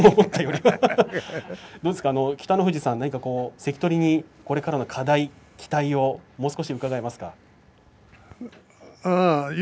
笑い声北の富士さん、関取にこれからの課題、期待をもう少し伺えますか。